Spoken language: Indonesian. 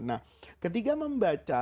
nah ketika membaca